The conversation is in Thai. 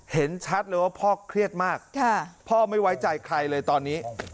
เห็นชัดเลยว่าพ่อเครียดมากพ่อไม่ไว้ใจใครเลยตอนนี้